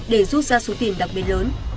để rút ra số tiền đặc biệt lớn